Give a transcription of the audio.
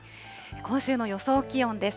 今週の予想気温です。